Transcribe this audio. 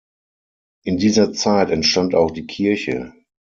In dieser Zeit entstand auch die Kirche.